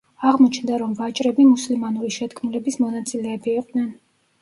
აღმოჩნდა, რომ ვაჭრები მუსლიმანური შეთქმულების მონაწილეები იყვნენ.